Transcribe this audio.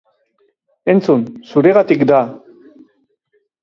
Entzun, zuregatik da!